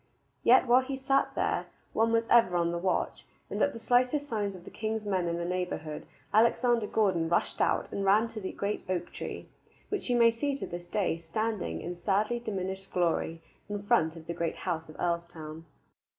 Yet while he sat there, one was ever on the watch, and at the slightest signs of king's men in the neighborhood Alexander Gordon rushed out and ran to the great oak tree, which you may see to this day standing in sadly diminished glory in front of the great house of Earlstoun.